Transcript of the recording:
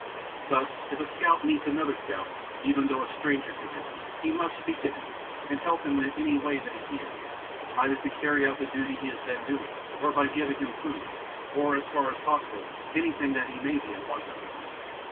Thus if a scout meets another scout, even though a stranger to him, he must speak to him, and help him in any way that he can, either to carry out the duty he is then doing, or by giving him food, or, as far as possible, anything that he may be in want of.